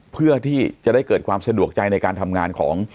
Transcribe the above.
เพื่อที่จะได้เกิดความสะดวกใจในการทำงานของ